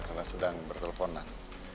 karena sedang berteleponan